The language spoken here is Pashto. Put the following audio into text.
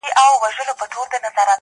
چي غمی یې وړﺉ نه را معلومېږي,